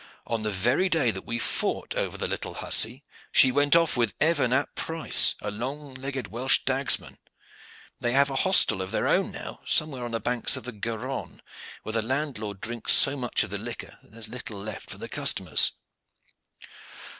On the very day that we fought over the little hussy, she went off with Evan ap Price, a long legged Welsh dagsman. They have a hostel of their own now, somewhere on the banks of the Garonne, where the landlord drinks so much of the liquor that there is little left for the customers."